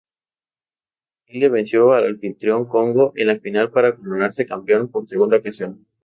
Argelia venció al anfitrión Congo en la final para coronarse campeón por segunda ocasión.